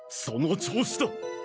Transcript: その調子だ。